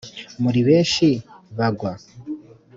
muri benshi bagwa;